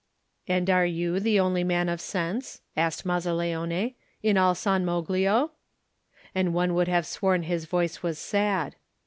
"And are you the only man of sense," asked Mazzaleone, "in all San Moglio?" And one would have sworn his voice was sad.